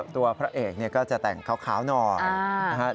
ตัวพระเอกนี่ก็จะแต่งขาวนอด